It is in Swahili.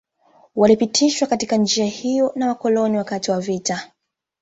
Walipitishwa katika njia hiyo na Wakoloni wakati wa vita